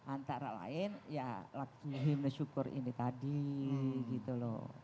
antara lain ya lagu himne syukur ini tadi gitu loh